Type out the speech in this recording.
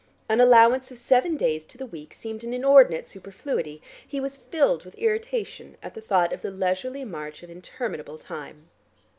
An allowance of seven days to the week seemed an inordinate superfluity; he was filled with irritation at the thought of the leisurely march of interminable time.